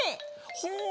ほう！